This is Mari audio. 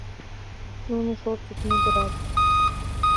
Нуно шортыт, мӱгырат